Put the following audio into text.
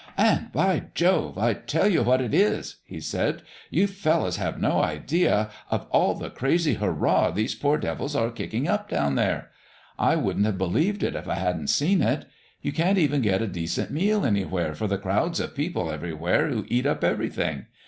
"... And, by Jove! I tell you what it is," he said, "you fellows have no idea of all the crazy hurrah those poor devils are kicking up down there. I wouldn't have believed it if I hadn't seen it. You can't even get a decent meal anywhere for the crowds of people everywhere who eat up everything.